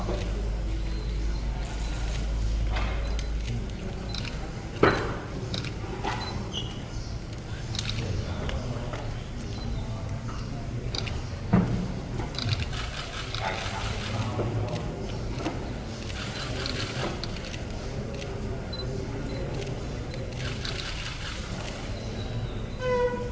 ขอบคุณมากขอบคุณค่ะ